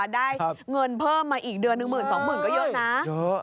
ได้เงินเพิ่มมาอีกเดือน๑หมื่น๒หมื่นก็เยอะนะ